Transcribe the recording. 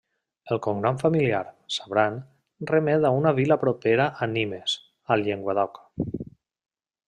El cognom familiar, Sabran, remet a una vila propera a Nimes, al Llenguadoc.